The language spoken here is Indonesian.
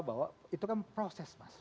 bahwa itu kan proses mas